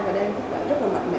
và đang phức tạp rất là mạnh mẽ